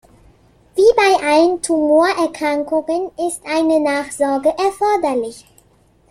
Wie bei allen Tumorerkrankungen ist eine Nachsorge erforderlich.